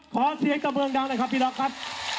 ขอเสียงกระเบื้องดังหน่อยครับพี่น้องครับ